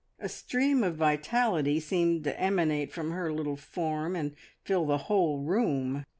A stream of vitality seemed to emanate from her little form and fill the whole room.